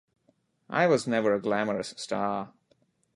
I was never a glamorous sta.